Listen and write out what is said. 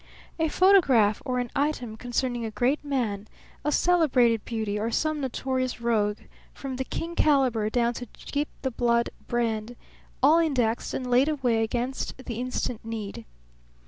A photograph or an item concerning a great man, a celebrated, beauty or some notorious rogue; from the king calibre down to Gyp the Blood brand, all indexed and laid away against the instant need.